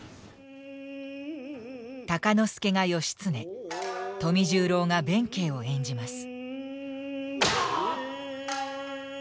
鷹之資が義経富十郎が弁慶を演じます。